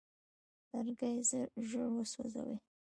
لرګی ژر وسوځي.